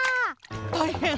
たいへん！